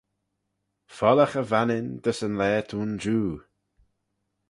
Follaghey Vannin dys yn laa t'ayn jiu.